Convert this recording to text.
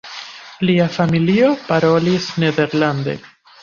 Lia familio parolis nederlande.